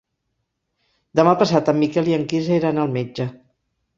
Demà passat en Miquel i en Quirze iran al metge.